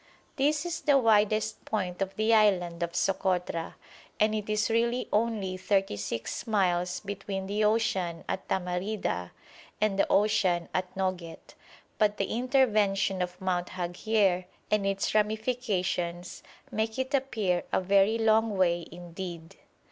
This is the widest point of the island of Sokotra, and it is really only thirty six miles between the ocean at Tamarida and the ocean at Noget, but the intervention of Mount Haghier and its ramifications make it appear a very long way indeed.